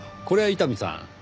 これは伊丹さん。